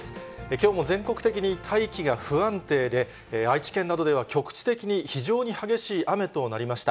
きょうも全国的に大気が不安定で、愛知県などでは局地的に非常に激しい雨となりました。